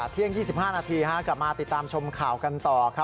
เที่ยง๒๕นาทีกลับมาติดตามชมข่าวกันต่อ